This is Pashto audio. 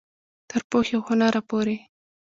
تر پوهې او هنره پورې.